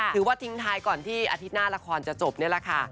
ทิ้งท้ายก่อนที่อาทิตย์หน้าละครจะจบนี่แหละค่ะ